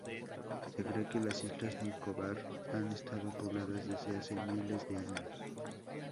Se cree que las islas Nicobar han estado pobladas desde hace miles de años.